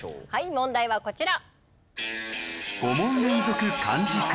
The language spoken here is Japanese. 問題はこちら。